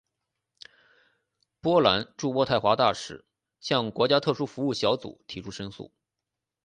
波兰驻渥太华大使向的国家特殊服务小组提出申诉。